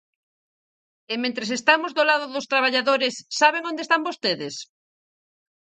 E mentres estamos do lado dos traballadores, ¿saben onde están vostedes?